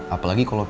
apalagi kalau aku